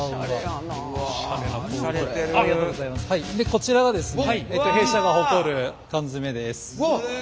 こちらがですね弊社が誇る缶詰です。